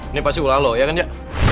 ini pasti ulah lo ya kan jack